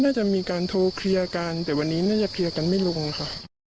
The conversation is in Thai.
น่าจะมีการโทรเคลียร์กันแต่วันนี้น่าจะเคลียร์กันไม่ลงค่ะ